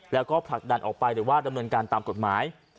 แล้วก็ผลักดันออกไปหรือว่าดำเนินการตามกฎหมาย